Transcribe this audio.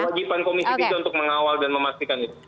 tapi kewajiban komisi itu untuk mengawal dan memastikan itu